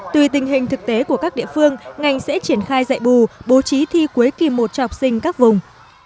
tùy tình hình thực tế của các địa phương ngành sẽ triển khai dạy bù bố trí thi cuối kỳ một cho học sinh các vùng